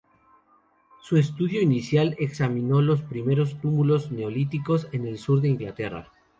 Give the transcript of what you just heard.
Su estudio inicial examinó los primeros túmulos neolíticos en el sur de Inglaterra.